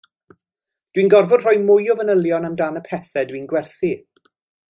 Dwi'n gorfod rhoi mwy o fanylion amdan y pethau dwi'n gwerthu